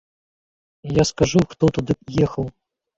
Я скажу, хто туды ехаў.